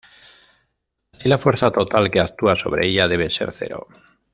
Así la fuerza total que actúa sobre ella debe ser cero.